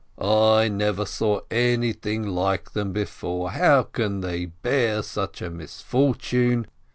"I never saw anything like them before ! How can they bear such a misfortune